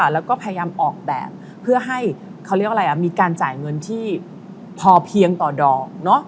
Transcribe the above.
แล้วก็พยายามออกแบบเพื่อให้เขาเรียกว่ามีการจ่ายเงินที่พอเพียงต่อดอก